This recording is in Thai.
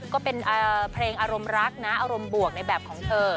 ก็เป็นเพลงอารมณ์รักนะอารมณ์บวกในแบบของเธอ